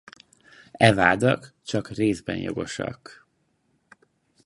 E vádak csak részben jogosak.